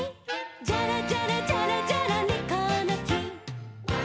「ジャラジャラジャラジャラネコのき」